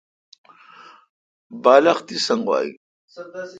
بالخ تی سنگ وا این